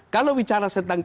kalau bicara tentang